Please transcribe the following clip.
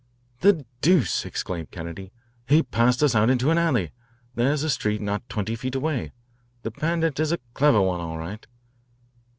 "The deuce!" exclaimed Kennedy. "He passed us out into an alley. There is the street not twenty feet away. The Pandit is a clever one, all right."